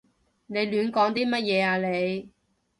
你亂講啲乜嘢啊你？